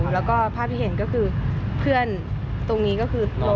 แล้วก็ภาพที่เห็นก็คือเพื่อนตรงนี้ก็คือ